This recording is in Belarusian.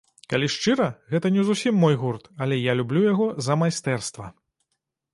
Калі шчыра, гэта не зусім мой гурт, але я люблю яго за майстэрства.